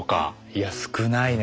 いや少ないね。